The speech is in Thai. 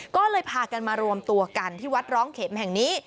ก็เลยพากันมารวมตัวกันที่วัดร้องเข็มแห่งนี้